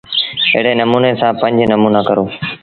ايڙي نموٚني سآݩ پنج نموݩآ ڪرو۔